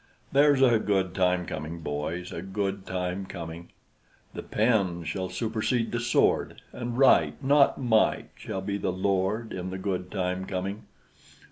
There's a good time coming, boys, A good time coming: The pen shall supersede the sword, And Right, not Might, shall be the lord In the good time coming.